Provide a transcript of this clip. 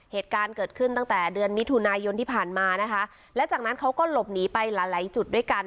เหตุการณ์เกิดขึ้นตั้งแต่เดือนมิถุนายนที่ผ่านมานะคะและจากนั้นเขาก็หลบหนีไปหลายหลายจุดด้วยกัน